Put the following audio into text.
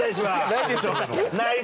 ないでしょ？